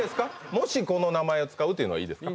もしこの名前を使うというのはいいですか？